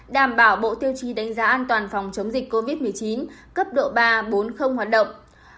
đảm bảo bộ tiêu chí đánh giá an toàn phòng chống dịch covid một mươi chín cấp độ ba bốn hoạt động